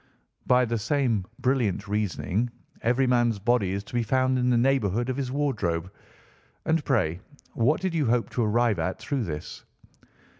"By the same brilliant reasoning, every man's body is to be found in the neighbourhood of his wardrobe. And pray what did you hope to arrive at through this?"